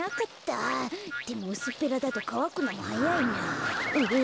でもうすっぺらだとかわくのもはやいなぁ。